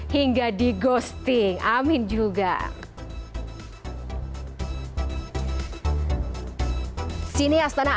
hingga di ghosting amin juga